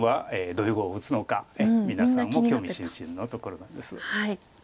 どういう碁を打つのか皆さんも興味津々のところなんです。